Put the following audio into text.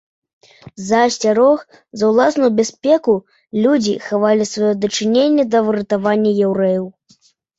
З-за асцярог за ўласную бяспеку людзі хавалі сваё дачыненне да выратавання яўрэяў.